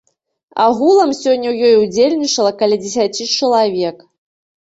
Агулам сёння ў ёй удзельнічала каля дзесяці чалавек.